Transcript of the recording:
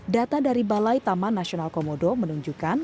data dari balai taman nasional komodo menunjukkan